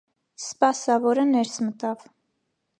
Սպասավորը ներս մտավ: